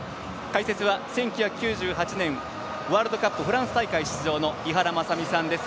解説は１９９８年ワールドカップフランス大会出場の井原正巳さんです。